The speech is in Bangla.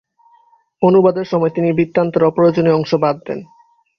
অনুবাদের সময় তিনি বৃত্তান্তের অপ্রয়োজনীয় অংশ বাদ দেন।